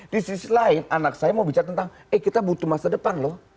di sisi lain anak saya mau bicara tentang eh kita butuh masa depan loh